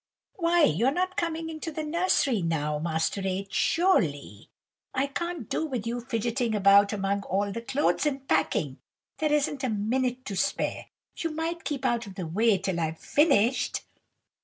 "Why, you're not coming into the nursery now, Master No. 8, surely! I can't do with you fidgetting about among all the clothes and packing. There isn't a minute to spare. You might keep out of the way till I've finished."